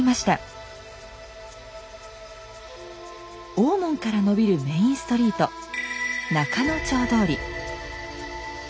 大門から延びるメインストリート仲之町通り。